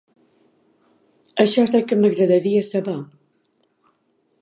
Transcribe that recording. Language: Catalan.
Això és el que m'agradaria saber!